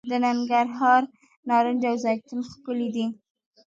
د ننګرهار نارنج او زیتون ښکلي دي.